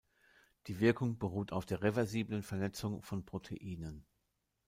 Die Wirkung beruht auf der reversiblen Vernetzung von Proteinen.